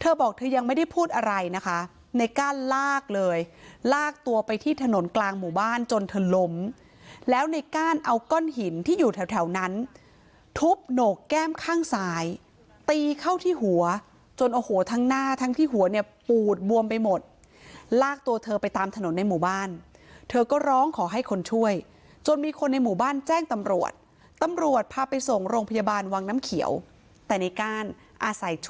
เธอบอกเธอยังไม่ได้พูดอะไรนะคะในก้านลากเลยลากตัวไปที่ถนนกลางหมู่บ้านจนเธอล้มแล้วในก้านเอาก้อนหินที่อยู่แถวนั้นทุบโหนกแก้มข้างซ้ายตีเข้าที่หัวจนโอ้โหทั้งหน้าทั้งที่หัวเนี่ยปูดบวมไปหมดลากตัวเธอไปตามถนนในหมู่บ้านเธอก็ร้องขอให้คนช่วยจนมีคนในหมู่บ้านแจ้งตำรวจตำรวจพาไปส่งโรงพยาบาลวังน้ำเขียวแต่ในก้านอาศัยช